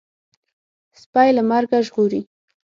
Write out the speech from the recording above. سپى له مرګه ژغوري.